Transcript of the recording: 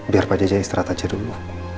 biar pak jaja istirahat aja dulu